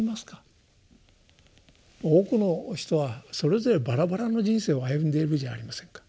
多くの人はそれぞればらばらの人生を歩んでいるじゃありませんか。